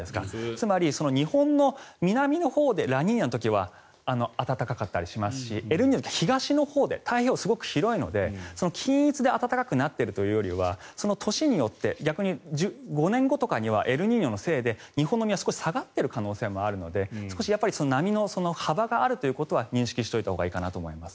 つまり、日本の南のほうでラニーニャの時は暖かかったりしますしエルニーニョは東のほうで太平洋、すごく広いので均一に暖かくなっているというよりはその年によって逆に５年後とかにはエルニーニョのせいで日本の南に下がっている可能性もあるので波の幅があるということは認識しておいたほうがいいと思います。